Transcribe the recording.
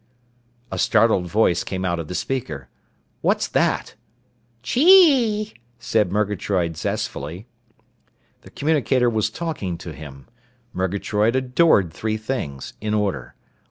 _" A startled voice came out of the speaker: "What's that?" "Chee," said Murgatroyd zestfully. The communicator was talking to him. Murgatroyd adored three things, in order.